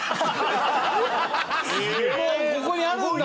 もうここにあるんだ！